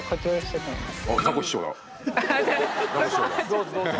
どうぞどうぞ。